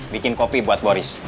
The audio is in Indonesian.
bikin kopi buat boris